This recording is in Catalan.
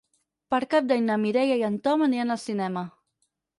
Per Cap d'Any na Mireia i en Tom aniran al cinema.